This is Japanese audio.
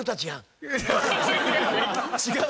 違う。